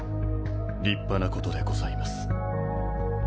立派なことでございます。